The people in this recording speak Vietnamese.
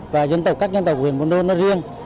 và dân tộc các dân tộc huyện buôn đôn nói riêng